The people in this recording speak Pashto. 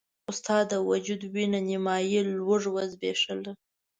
خو ستا د وجود وينه نيمایي لوږو وزبېښله.